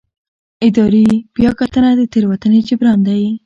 اداري بیاکتنه د تېروتنې جبران دی.